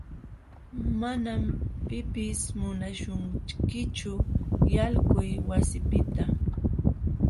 Manam pipis munaśhunkichu yalquy wasipiqta.